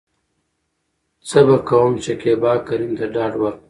څه به کوم.شکيبا کريم ته ډاډ ورکو .